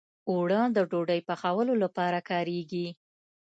اوړه د ډوډۍ پخولو لپاره کارېږي